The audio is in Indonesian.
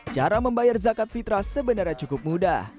cara membayar zakat fitrah sebenarnya cukup mudah